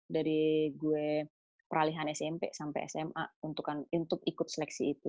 dari gue peralihan smp sampai sma untuk ikut seleksi itu